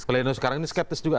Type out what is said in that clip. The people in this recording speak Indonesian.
pleno sekarang ini skeptis juga